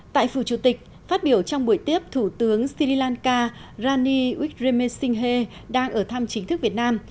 tại phủ chủ tịch phát biểu trong buổi tiếp thủ tướng sri lanka rani wikremesinghe đang ở thăm chính thức việt nam